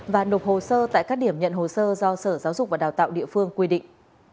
và nộp hồ sơ tại các điểm nhận hồ sơ do sở giáo dục và đào tạo địa phương quy định